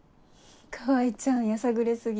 川合ちゃんやさぐれ過ぎ。